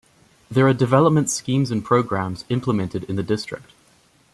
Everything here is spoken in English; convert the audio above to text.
There are development schemes and programmes implemented in the district.